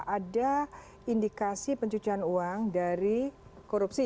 ada indikasi pencucian uang dari korupsi